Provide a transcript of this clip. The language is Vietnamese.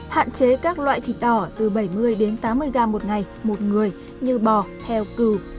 hạn chế các loại thịt đỏ từ bảy mươi đến tám mươi gram một ngày một người như bò heo cừu